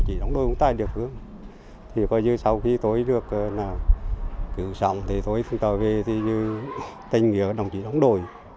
thì coi như sau khi tôi được cứu sống tôi xin tạo về tên nghĩa đồng chỉ đồng đội